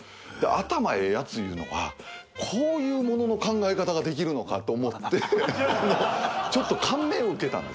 頭ええヤツいうのはこういう物の考え方ができるのかと思ってちょっと感銘を受けたんです。